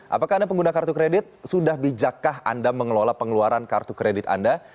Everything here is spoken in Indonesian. apakah anda pengguna kartu kredit sudah bijakkah anda mengelola pengeluaran kartu kredit anda